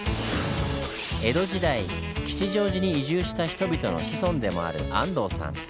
江戸時代吉祥寺に移住した人々の子孫でもある安藤さん。